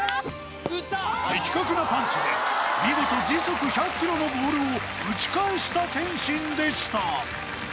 的確なパンチで見事時速１００キロのボールを打ち返した天心でした。